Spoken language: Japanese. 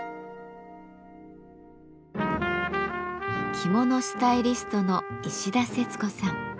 着物スタイリストの石田節子さん。